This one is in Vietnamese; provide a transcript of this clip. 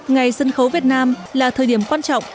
ngày sân khấu việt nam là thời điểm quan trọng